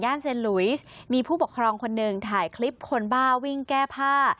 เซ็นลุยสมีผู้ปกครองคนหนึ่งถ่ายคลิปคนบ้าวิ่งแก้ผ้า